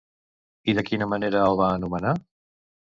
I de quina manera el va anomenar?